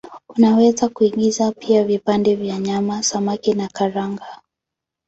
Unaweza kuingiza pia vipande vya nyama, samaki na karanga.